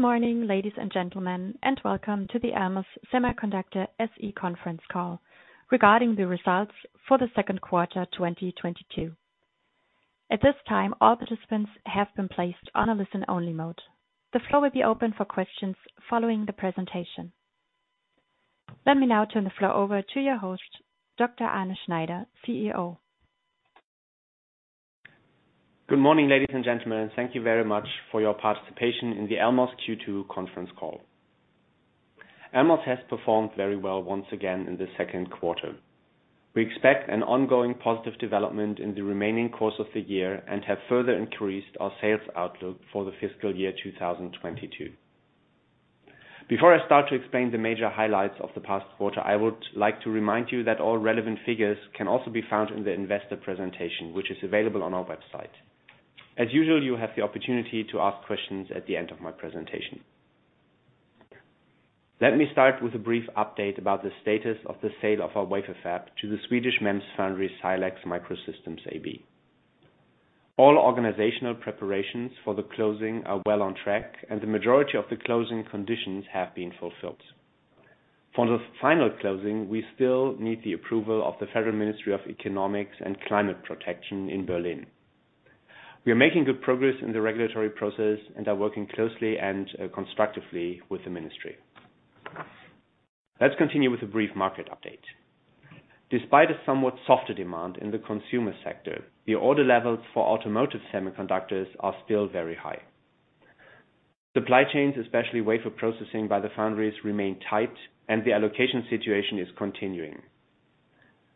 Good morning, ladies and gentlemen, and welcome to the Elmos Semiconductor SE conference call regarding the results for the second quarter, 2022. At this time, all participants have been placed on a listen-only mode. The floor will be open for questions following the presentation. Let me now turn the floor over to your host, Dr. Arne Schneider, CEO. Good morning, ladies and gentlemen, and thank you very much for your participation in the Elmos Q2 conference call. Elmos has performed very well once again in the second quarter. We expect an ongoing positive development in the remaining course of the year and have further increased our sales outlook for the fiscal year 2022. Before I start to explain the major highlights of the past quarter, I would like to remind you that all relevant figures can also be found in the investor presentation, which is available on our website. As usual, you have the opportunity to ask questions at the end of my presentation. Let me start with a brief update about the status of the sale of our wafer fab to the Swedish MEMS foundry, Silex Microsystems AB. All organizational preparations for the closing are well on track, and the majority of the closing conditions have been fulfilled. For the final closing, we still need the approval of the Federal Ministry for Economic Affairs and Climate Action in Berlin. We are making good progress in the regulatory process and are working closely and constructively with the ministry. Let's continue with a brief market update. Despite a somewhat softer demand in the consumer sector, the order levels for automotive semiconductors are still very high. Supply chains, especially wafer processing by the foundries, remain tight and the allocation situation is continuing.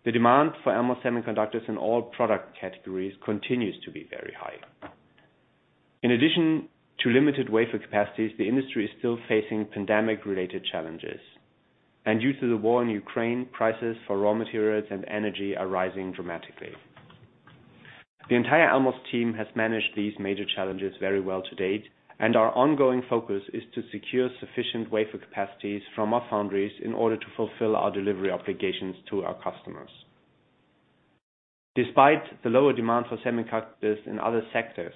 The demand for Elmos semiconductors in all product categories continues to be very high. In addition to limited wafer capacities, the industry is still facing pandemic-related challenges, and due to the war in Ukraine, prices for raw materials and energy are rising dramatically. The entire Elmos team has managed these major challenges very well to date, and our ongoing focus is to secure sufficient wafer capacities from our foundries in order to fulfill our delivery obligations to our customers. Despite the lower demand for semiconductors in other sectors,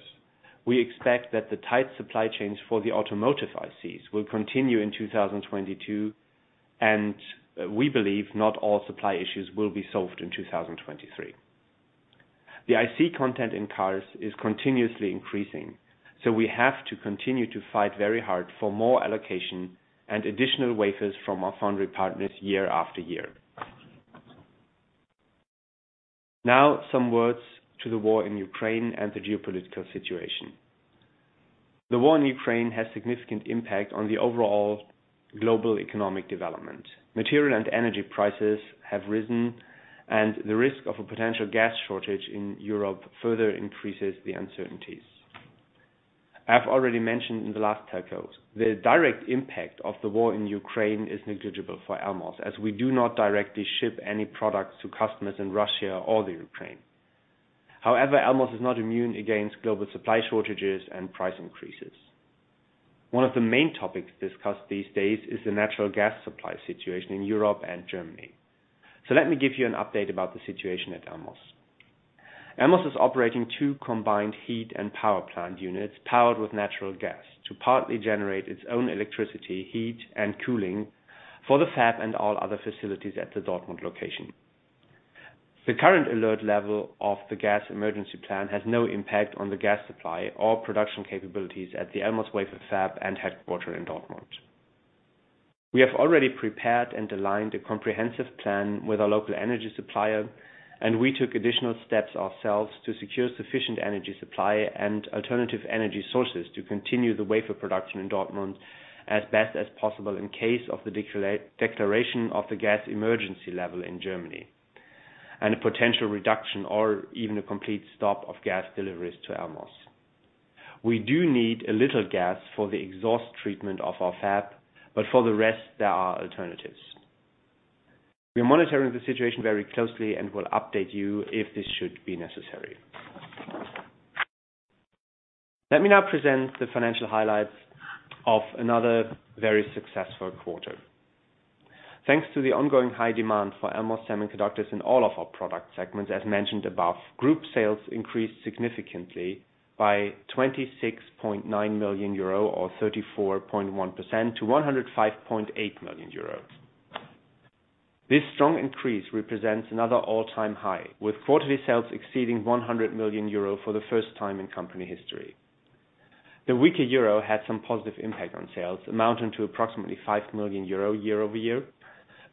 we expect that the tight supply chains for the automotive ICs will continue in 2022, and we believe not all supply issues will be solved in 2023. The IC content in cars is continuously increasing, so we have to continue to fight very hard for more allocation and additional wafers from our foundry partners year after year. Now some words to the war in Ukraine and the geopolitical situation. The war in Ukraine has significant impact on the overall global economic development. Material and energy prices have risen, and the risk of a potential gas shortage in Europe further increases the uncertainties. I've already mentioned in the last telcos, the direct impact of the war in Ukraine is negligible for Elmos, as we do not directly ship any products to customers in Russia or the Ukraine. However, Elmos is not immune against global supply shortages and price increases. One of the main topics discussed these days is the natural gas supply situation in Europe and Germany. Let me give you an update about the situation at Elmos. Elmos is operating two combined heat and power plant units powered with natural gas to partly generate its own electricity, heat, and cooling for the fab and all other facilities at the Dortmund location. The current alert level of the Gas Emergency Plan has no impact on the gas supply or production capabilities at the Elmos wafer fab and headquarters in Dortmund. We have already prepared and aligned a comprehensive plan with our local energy supplier, and we took additional steps ourselves to secure sufficient energy supply and alternative energy sources to continue the wafer production in Dortmund as best as possible in case of the declaration of the gas emergency level in Germany, and a potential reduction or even a complete stop of gas deliveries to Elmos. We do need a little gas for the exhaust treatment of our fab, but for the rest, there are alternatives. We are monitoring the situation very closely and will update you if this should be necessary. Let me now present the financial highlights of another very successful quarter. Thanks to the ongoing high demand for Elmos semiconductors in all of our product segments, as mentioned above, group sales increased significantly by 26.9 million euro or 34.1% to 105.8 million euro. This strong increase represents another all-time high, with quarterly sales exceeding 100 million euro for the first time in company history. The weaker euro had some positive impact on sales, amounting to approximately 5 million euro year-over-year.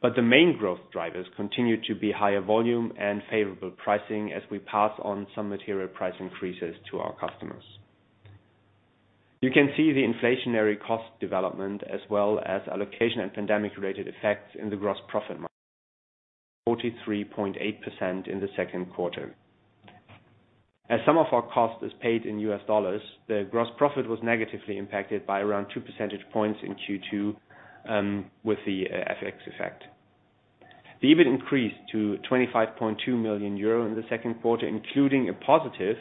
The main growth drivers continue to be higher volume and favorable pricing as we pass on some material price increases to our customers. You can see the inflationary cost development as well as allocation and pandemic-related effects in the gross profit margin, 43.8% in the second quarter. As some of our cost is paid in US dollars, the gross profit was negatively impacted by around two percentage points in Q2, with the FX effect. The EBIT increased to 25.2 million euro in the second quarter, including a positive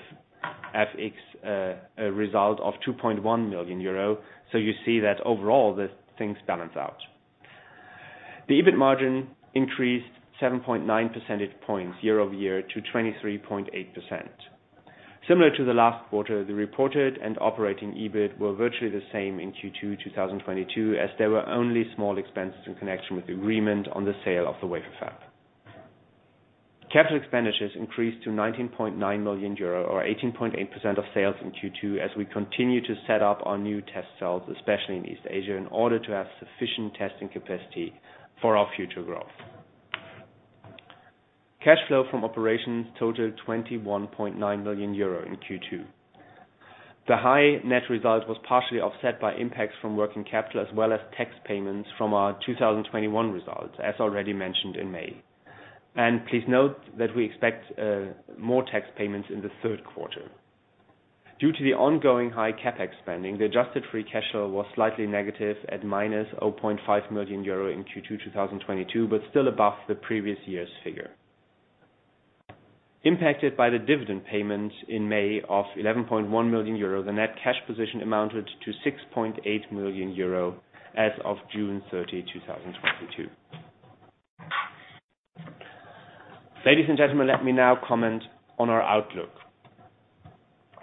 FX result of 2.1 million euro. You see that overall the things balance out. The EBIT margin increased 7.9 percentage points year-over-year to 23.8%. Similar to the last quarter, the reported and operating EBIT were virtually the same in Q2, 2022, as there were only small expenses in connection with the agreement on the sale of the wafer fab. Capital expenditures increased to 19.9 million euro or 18.8% of sales in Q2, as we continue to set up our new test cells, especially in East Asia, in order to have sufficient testing capacity for our future growth. Cash flow from operations totaled 21.9 million euro in Q2. The high net result was partially offset by impacts from working capital, as well as tax payments from our 2021 results, as already mentioned in May. Please note that we expect more tax payments in the third quarter. Due to the ongoing high CapEx spending, the adjusted free cash flow was slightly negative at -0.5 million euro in Q2 2022, but still above the previous year's figure. Impacted by the dividend payment in May of 11.1 million euro, the net cash position amounted to 6.8 million euro as of June 30, 2022. Ladies and gentlemen, let me now comment on our outlook.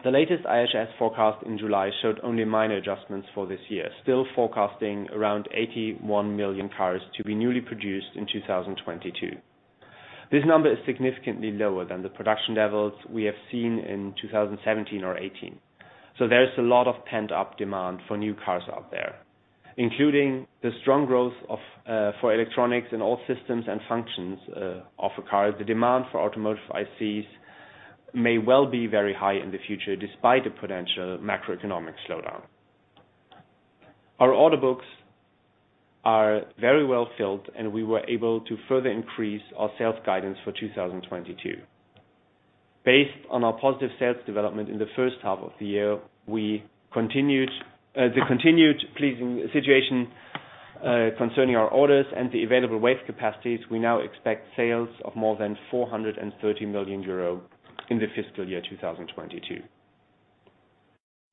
The latest IHS forecast in July showed only minor adjustments for this year, still forecasting around 81 million cars to be newly produced in 2022. This number is significantly lower than the production levels we have seen in 2017 or 2018. There is a lot of pent-up demand for new cars out there, including the strong growth for electronics in all systems and functions of a car. The demand for automotive ICs may well be very high in the future, despite a potential macroeconomic slowdown. Our order books are very well filled, and we were able to further increase our sales guidance for 2022. Based on our positive sales development in the first half of the year, the continued pleasing situation concerning our orders and the available wafer capacities, we now expect sales of more than 430 million euro in the fiscal year 2022.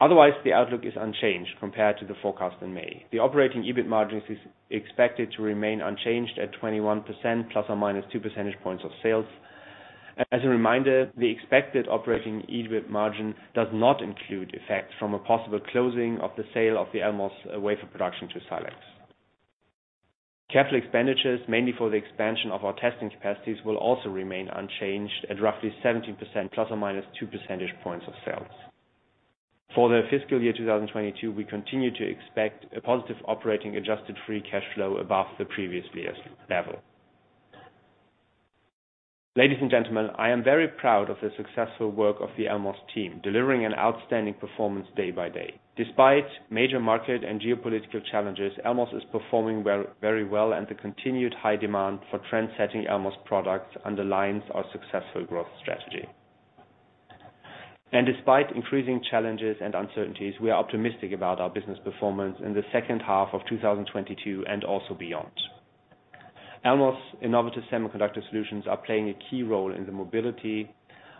Otherwise, the outlook is unchanged compared to the forecast in May. The operating EBIT margins is expected to remain unchanged at 21% ± two percentage points of sales. As a reminder, the expected operating EBIT margin does not include effects from a possible closing of the sale of the Elmos wafer production to Silex. Capital expenditures, mainly for the expansion of our testing capacities, will also remain unchanged at roughly 17% ±2 percentage points of sales. For the fiscal year 2022, we continue to expect a positive operating adjusted free cash flow above the previous year's level. Ladies and gentlemen, I am very proud of the successful work of the Elmos team, delivering an outstanding performance day by day. Despite major market and geopolitical challenges, Elmos is performing well, very well, and the continued high demand for trendsetting Elmos products underlines our successful growth strategy. Despite increasing challenges and uncertainties, we are optimistic about our business performance in the second half of 2022 and also beyond. Elmos innovative semiconductor solutions are playing a key role in the mobility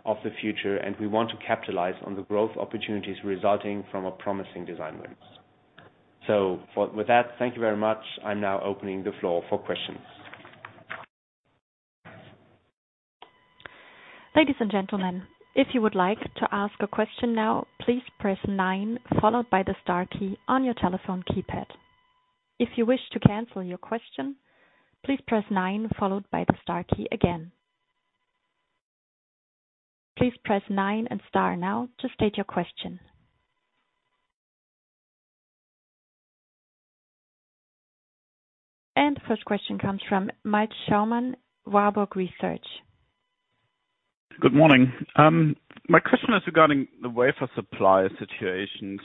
of the future, and we want to capitalize on the growth opportunities resulting from our promising design wins. With that, thank you very much. I'm now opening the floor for questions. Ladies and gentlemen, if you would like to ask a question now, please press nine followed by the star key on your telephone keypad. If you wish to cancel your question, please press nine followed by the star key again. Please press nine and star now to state your question. The first question comes from Malte Schaumann, Warburg Research. Good morning. My question is regarding the wafer supply situation.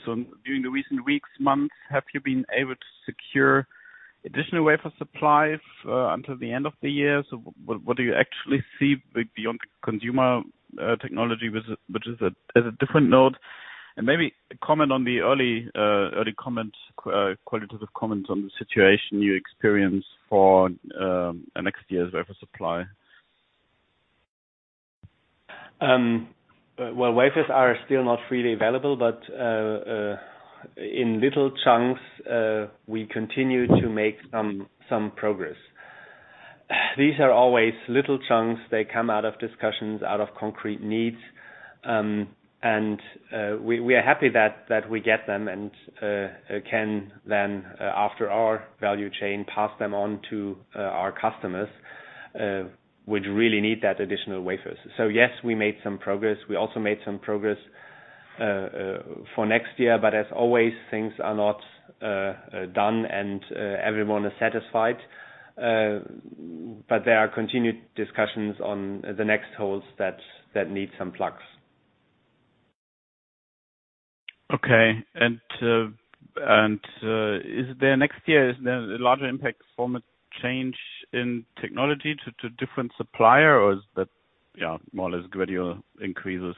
During the recent weeks, months, have you been able to secure additional wafer supplies until the end of the year? What do you actually see beyond consumer technology, which is a different note? Maybe comment on the early qualitative comments on the situation you experience for next year's wafer supply. Well, wafers are still not freely available, but in little chunks we continue to make some progress. These are always little chunks. They come out of discussions, out of concrete needs. We are happy that we get them and can then, after our value chain, pass them on to our customers which really need that additional wafers. Yes, we made some progress. We also made some progress for next year. As always, things are not done and everyone is satisfied. There are continued discussions on the next holes that need some plugs. Is there next year a larger impact from a change in technology to different supplier or is that more or less gradual increases?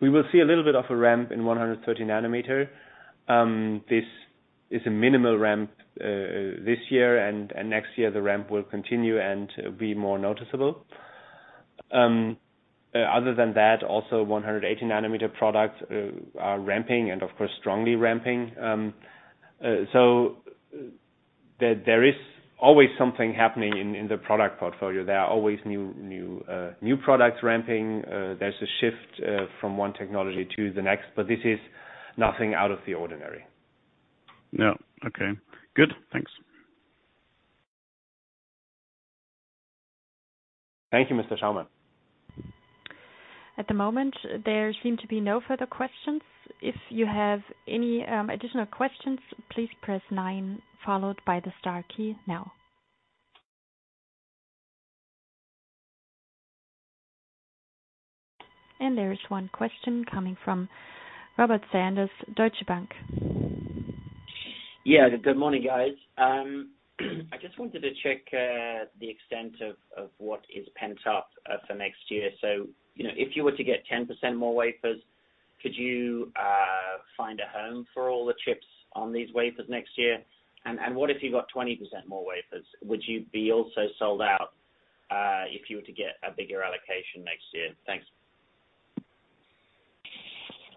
We will see a little bit of a ramp in 130 nanometer. This is a minimal ramp this year, and next year the ramp will continue and be more noticeable. Other than that, also 180 nanometer products are ramping and of course, strongly ramping. There is always something happening in the product portfolio. There are always new products ramping. There's a shift from one technology to the next, but this is nothing out of the ordinary. No. Okay. Good. Thanks. Thank you, Malte Schaumann. At the moment, there seem to be no further questions. If you have any additional questions, please press nine followed by the star key now. There is one question coming from Robert Sanders, Deutsche Bank. Yeah. Good morning, guys. I just wanted to check the extent of what is pent up for next year. You know, if you were to get 10% more wafers, could you find a home for all the chips on these wafers next year? What if you got 20% more wafers? Would you be also sold out if you were to get a bigger allocation next year? Thanks.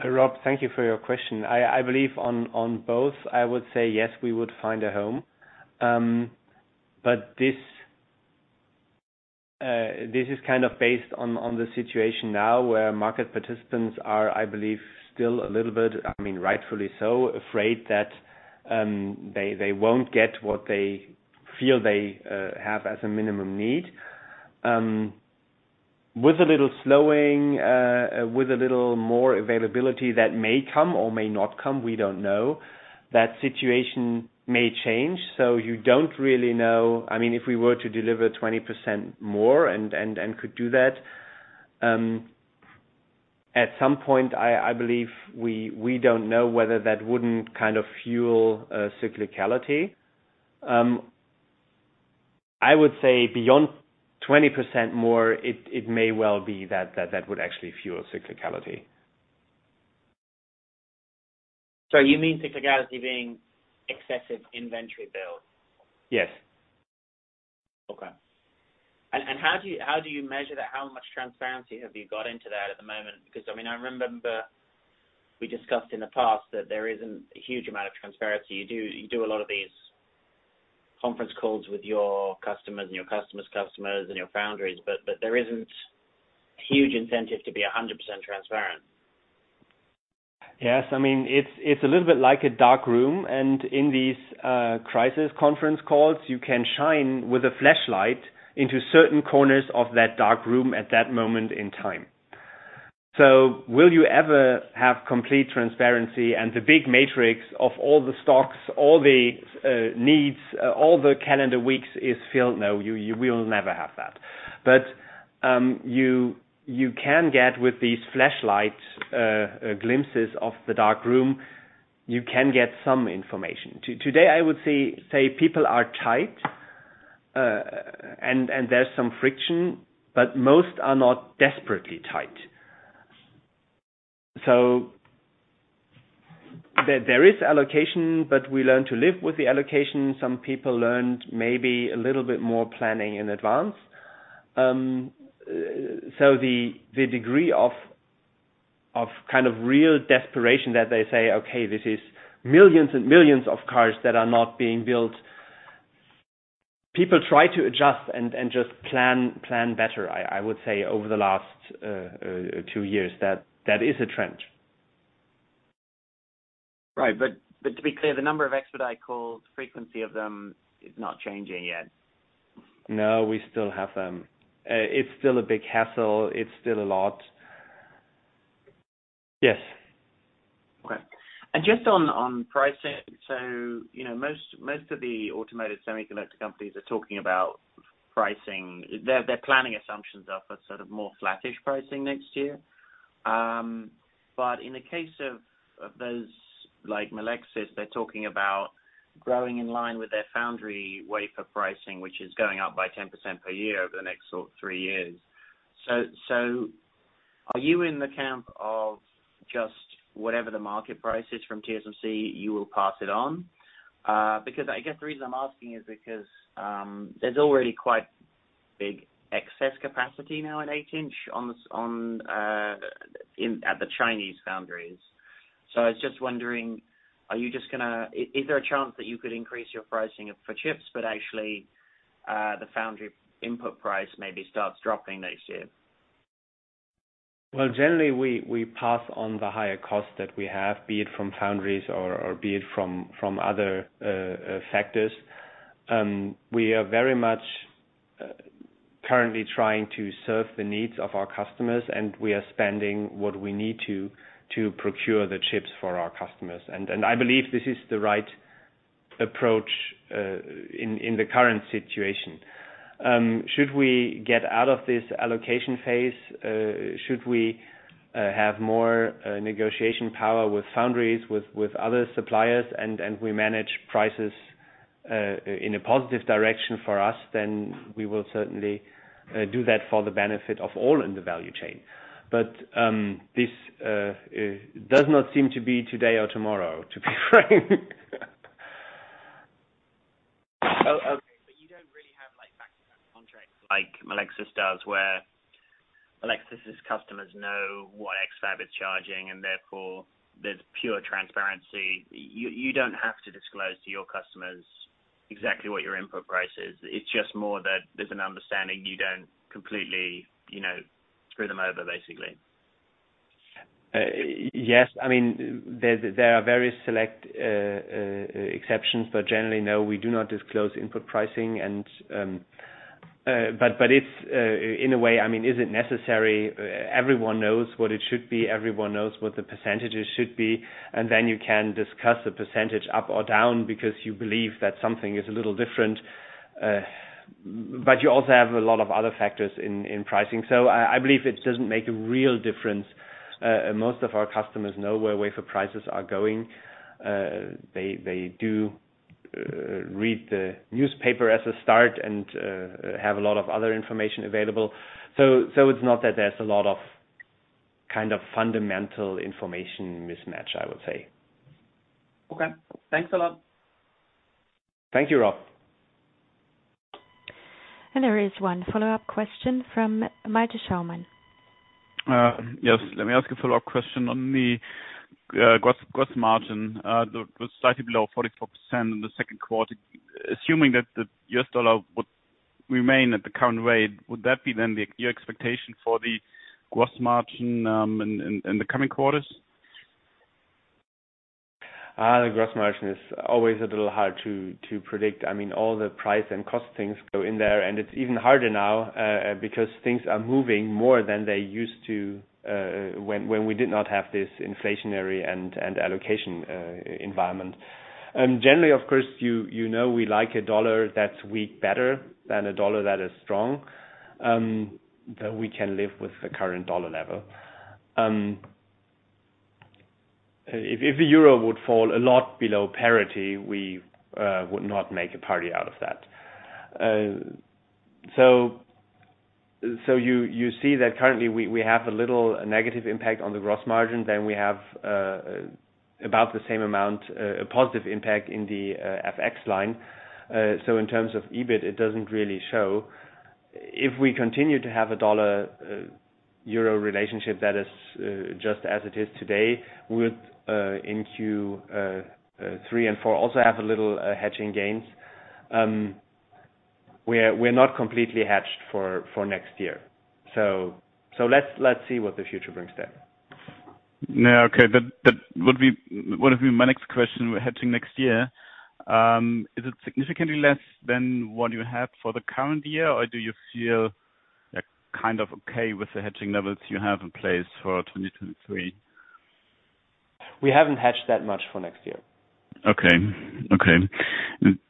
Rob, thank you for your question. I believe on both, I would say yes, we would find a home. This is kind of based on the situation now where market participants are, I believe, still a little bit, I mean, rightfully so, afraid that they won't get what they feel they have as a minimum need. With a little slowing, with a little more availability that may come or may not come, we don't know, that situation may change. You don't really know. I mean, if we were to deliver 20% more and could do that, at some point, I believe we don't know whether that wouldn't kind of fuel cyclicality. I would say beyond 20% more, it may well be that that would actually fuel cyclicality. You mean cyclicality being excessive inventory build? Yes. Okay. How do you measure that? How much transparency have you got into that at the moment? Because, I mean, I remember we discussed in the past that there isn't a huge amount of transparency. You do a lot of these conference calls with your customers and your customers' customers and your foundries, but there isn't huge incentive to be 100% transparent. Yes. I mean, it's a little bit like a dark room. In these crisis conference calls, you can shine with a flashlight into certain corners of that dark room at that moment in time. Will you ever have complete transparency and the big matrix of all the stocks, all the needs, all the calendar weeks is filled? No, you will never have that. You can get with these flashlight glimpses of the dark room, you can get some information. Today, I would say people are tight and there's some friction, but most are not desperately tight. There is allocation, but we learn to live with the allocation. Some people learned maybe a little bit more planning in advance. The degree of kind of real desperation that they say, "Okay, this is millions and millions of cars that are not being built." People try to adjust and just plan better. I would say over the last two years, that is a trend. Right. To be clear, the number of expedite calls, frequency of them is not changing yet. No, we still have, it's still a big hassle. It's still a lot. Yes. Okay. Just on pricing. You know, most of the automotive semiconductor companies are talking about pricing. Their planning assumptions are for sort of more flattish pricing next year. But in the case of those like Melexis, they're talking about growing in line with their foundry wafer pricing, which is going up by 10% per year over the next sort of three years. Are you in the camp of just whatever the market price is from TSMC, you will pass it on? Because I guess the reason I'm asking is because there's already quite big excess capacity now at eight-inch in the Chinese foundries. I was just wondering, are you just gonna... Is there a chance that you could increase your pricing for chips, but actually, the foundry input price maybe starts dropping next year? Well, generally, we pass on the higher cost that we have, be it from foundries or be it from other factors. We are very much currently trying to serve the needs of our customers, and we are spending what we need to procure the chips for our customers. I believe this is the right approach in the current situation. Should we get out of this allocation phase, should we have more negotiation power with foundries, with other suppliers, and we manage prices in a positive direction for us, then we will certainly do that for the benefit of all in the value chain. This does not seem to be today or tomorrow, to be frank. Oh, okay. You don't really have like back-to-back contracts like Melexis does, where Melexis' customers know what X-FAB is charging, and therefore there's pure transparency. You don't have to disclose to your customers exactly what your input price is. It's just more that there's an understanding you don't completely, you know, screw them over, basically. Yes. I mean, there are very select exceptions, but generally, no, we do not disclose input pricing. But it's in a way, I mean, is it necessary? Everyone knows what it should be, everyone knows what the percentages should be, and then you can discuss the percentage up or down because you believe that something is a little different. But you also have a lot of other factors in pricing. I believe it doesn't make a real difference. Most of our customers know where wafer prices are going. They do read the newspaper as a start and have a lot of other information available. It's not that there's a lot of kind of fundamental information mismatch, I would say. Okay, thanks a lot. Thank you, Rob. There is one follow-up question from Malte Schaumann. Yes. Let me ask a follow-up question on the gross margin. It was slightly below 44% in the second quarter. Assuming that the US dollar would remain at the current rate, would that be then your expectation for the gross margin in the coming quarters? The gross margin is always a little hard to predict. I mean, all the price and cost things go in there, and it's even harder now because things are moving more than they used to when we did not have this inflationary and allocation environment. Generally, of course, you know, we like a dollar that's weak better than a dollar that is strong, but we can live with the current dollar level. If the euro would fall a lot below parity, we would not make a party out of that. You see that currently we have a little negative impact on the gross margin than we have about the same amount a positive impact in the FX line. In terms of EBIT, it doesn't really show. If we continue to have a dollar-euro relationship that is just as it is today, we would in Q3 and Q4 also have a little hedging gains. We're not completely hedged for next year. Would have been my next question, hedging next year. Is it significantly less than what you have for the current year, or do you feel like kind of okay with the hedging levels you have in place for 2023? We haven't hedged that much for next year. Okay. Okay.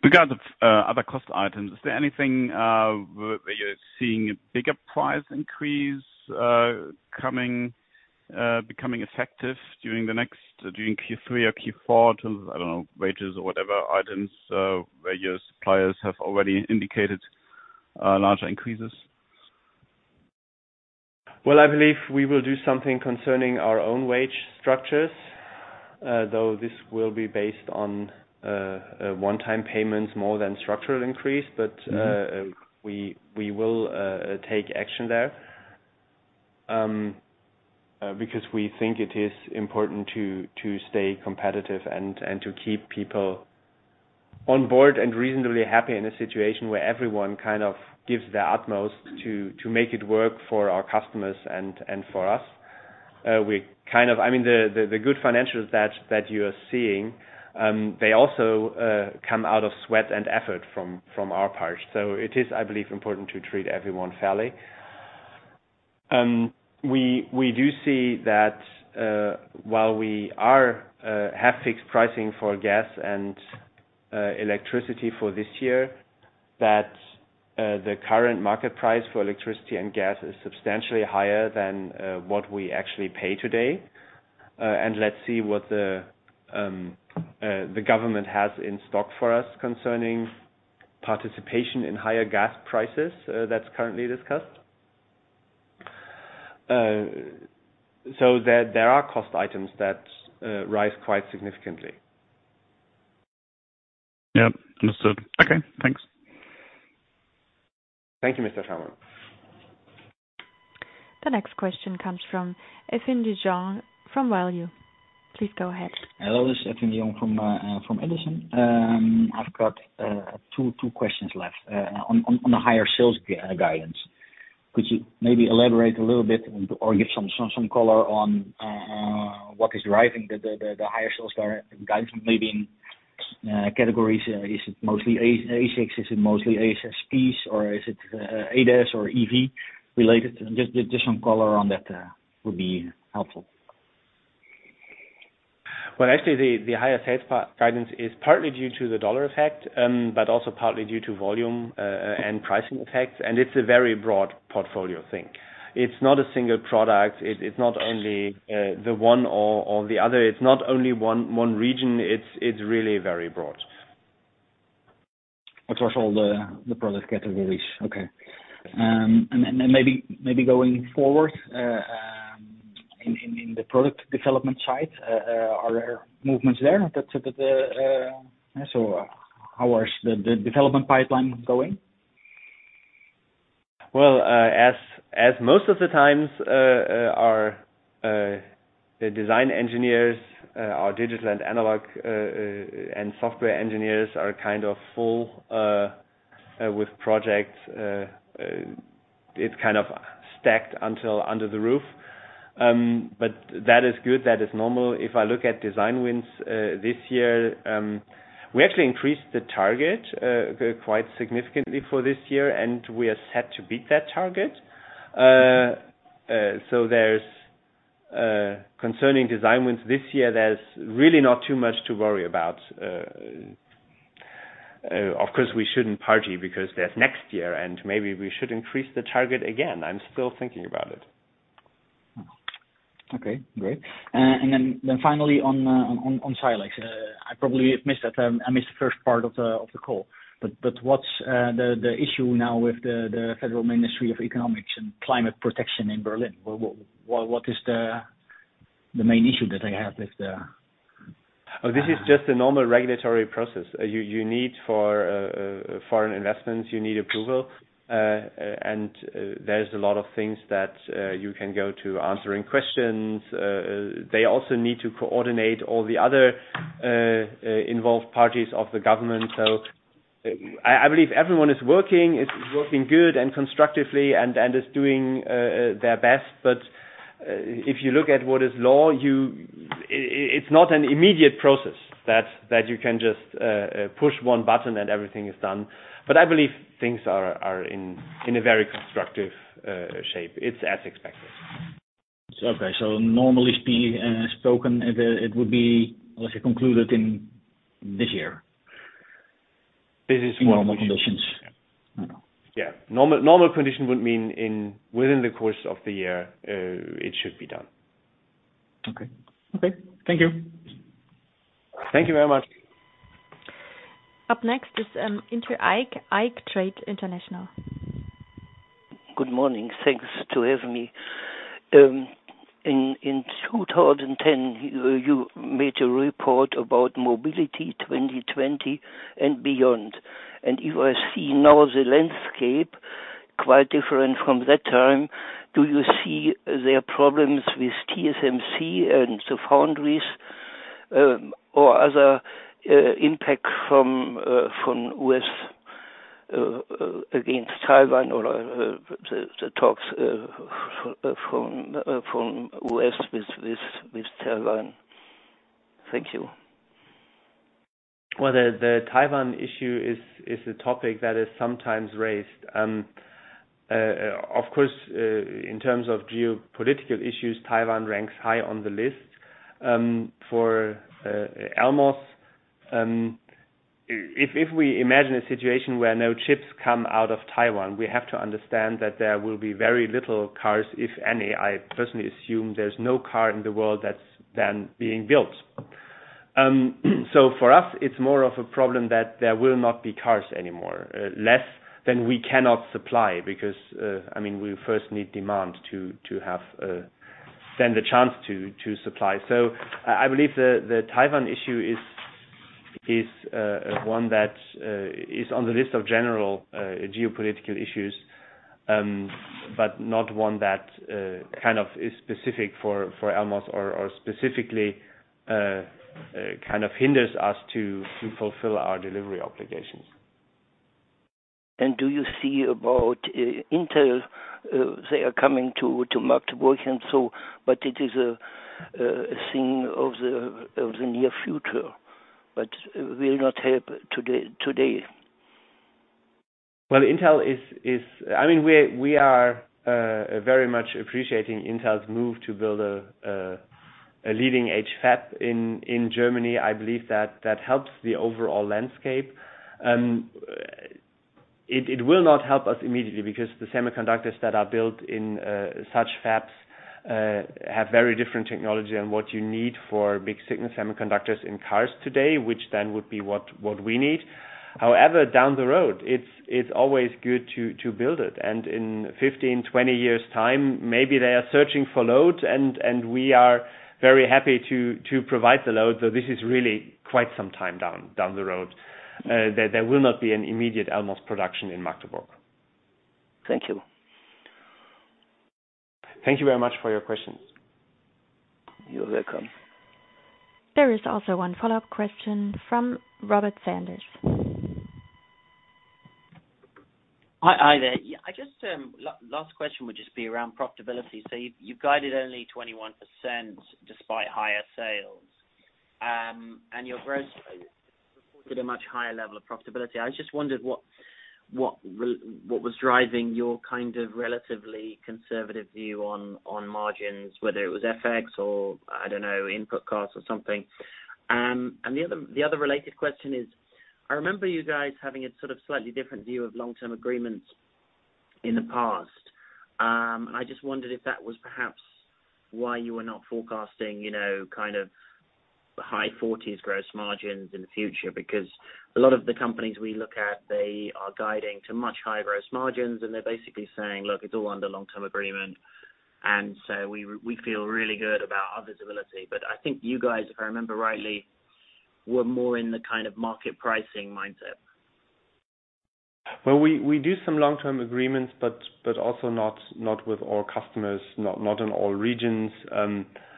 Regardless, other cost items, is there anything where you're seeing a bigger price increase coming becoming effective during Q3 or Q4? I don't know, wages or whatever items where your suppliers have already indicated larger increases. Well, I believe we will do something concerning our own wage structures, though this will be based on a one-time payment more than structural increase. Mm-hmm. We will take action there, because we think it is important to stay competitive and to keep people on board and reasonably happy in a situation where everyone kind of gives their utmost to make it work for our customers and for us. I mean, the good financials that you are seeing, they also come out of sweat and effort from our part. It is, I believe, important to treat everyone fairly. We do see that, while we have fixed pricing for gas and electricity for this year, that the current market price for electricity and gas is substantially higher than what we actually pay today. Let's see what the government has in stock for us concerning participation in higher gas prices, that's currently discussed. There are cost items that rise quite significantly. Yeah. Understood. Okay. Thanks. Thank you, Mr. Schaumann. The next question comes from Edwin De Jong from Edison. Please go ahead. Hello, this is Edwin De Jong from Edison. I've got two questions left. On the higher sales guidance, could you maybe elaborate a little bit or give some color on what is driving the higher sales guidance maybe in categories? Is it mostly ASICs? Is it mostly ASSPs or is it ADAS or EV related? Just additional color on that would be helpful. Well, actually the higher sales guidance is partly due to the dollar effect, but also partly due to volume, and pricing effects. It's a very broad portfolio thing. It's not a single product. It's not only the one or the other. It's not only one region. It's really very broad. Across all the product categories. Okay. Then maybe going forward, in the product development side, are there movements there? How is the development pipeline going? Well, as most of the times, our design engineers, our digital and analog, and software engineers are kind of full with projects. It's kind of stacked up to the roof. That is good. That is normal. If I look at design wins this year, we actually increased the target quite significantly for this year, and we are set to beat that target. There's concerning design wins this year, there's really not too much to worry about. Of course, we shouldn't party because there's next year, and maybe we should increase the target again. I'm still thinking about it. Okay, great. Finally on Silex. I probably missed that. I missed the first part of the call, but what's the issue now with the Federal Ministry for Economic Affairs and Climate Action in Berlin? What is the main issue that they have with the This is just a normal regulatory process. You need approval for foreign investments. There's a lot of things that you can go through answering questions. They also need to coordinate all the other involved parties of the government. I believe everyone is working good and constructively and is doing their best. If you look at what is law, it's not an immediate process that you can just push one button and everything is done. I believe things are in a very constructive shape. It's as expected. Normally spoken, it would be, let's say, concluded in this year. This is normal. In normal conditions. Yeah. Normal condition would mean within the course of the year, it should be done. Okay. Thank you. Thank you very much. Up next is [inaudible] Trade International. Good morning. Thanks for having me. In 2010, you made a report about Mobility 2020 and Beyond. If I see now the landscape quite different from that time, do you see there are problems with TSMC and the foundries, or other impact from U.S. against Taiwan or the talks from U.S. with Taiwan? Thank you. Well, the Taiwan issue is a topic that is sometimes raised. Of course, in terms of geopolitical issues, Taiwan ranks high on the list. For Elmos, if we imagine a situation where no chips come out of Taiwan, we have to understand that there will be very little cars, if any. I personally assume there's no car in the world that's then being built. For us, it's more of a problem that there will not be cars anymore, less than we cannot supply because, I mean, we first need demand to have stand a chance to supply. I believe the Taiwan issue is one that is on the list of general geopolitical issues, but not one that kind of is specific for Elmos or specifically kind of hinders us to fulfill our delivery obligations. Do you see about Intel? They are coming to Magdeburg and so, but it is a thing of the near future, but will not help today. Well, I mean, we are very much appreciating Intel's move to build a leading-edge fab in Germany. I believe that helps the overall landscape. It will not help us immediately because the semiconductors that are built in such fabs have very different technology on what you need for mixed-signal semiconductors in cars today, which then would be what we need. However, down the road, it's always good to build it. In 15-20 years' time, maybe they are searching for load, and we are very happy to provide the load. This is really quite some time down the road that there will not be an immediate Elmos production in Magdeburg. Thank you. Thank you very much for your questions. You're welcome. There is also one follow-up question from Robert Sanders. Hi there. Yeah, I just last question would just be around profitability. You guided only 21% despite higher sales, and your gross reported a much higher level of profitability. I just wondered what was driving your kind of relatively conservative view on margins, whether it was FX or, I don't know, input costs or something. The other related question is, I remember you guys having a sort of slightly different view of long-term agreements in the past. I just wondered if that was perhaps why you were not forecasting, you know, kind of high 40s gross margins in the future. Because a lot of the companies we look at, they are guiding to much higher gross margins, and they're basically saying, "Look, it's all under long-term agreement, and so we feel really good about our visibility." I think you guys, if I remember rightly, were more in the kind of market pricing mindset. We do some long-term agreements, but also not with all customers, not in all regions.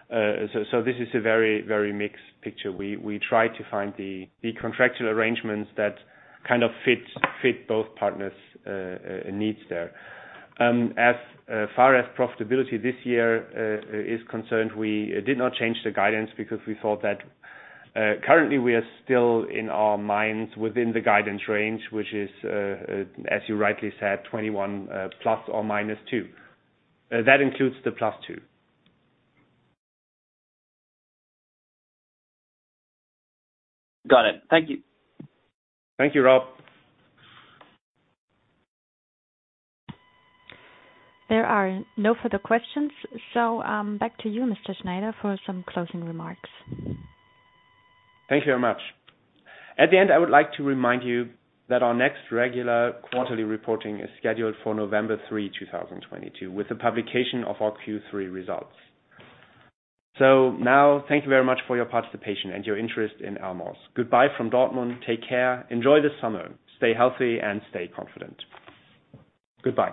This is a very mixed picture. We try to find the contractual arrangements that kind of fit both partners' needs there. As far as profitability this year is concerned, we did not change the guidance because we thought that currently we are still in our minds within the guidance range, which is, as you rightly said, 21%, ±2%. That includes the +2%. Got it. Thank you. Thank you, Rob. There are no further questions. Back to you, Arne Schneider, for some closing remarks. Thank you very much. At the end, I would like to remind you that our next regular quarterly reporting is scheduled for November 3, 2022, with the publication of our Q3 results. Now, thank you very much for your participation and your interest in Elmos. Goodbye from Dortmund. Take care. Enjoy the summer. Stay healthy and stay confident. Goodbye.